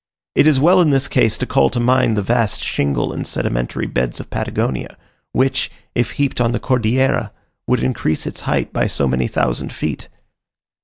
It is well in this case to call to mind the vast shingle and sedimentary beds of Patagonia, which, if heaped on the Cordillera, would increase its height by so many thousand feet.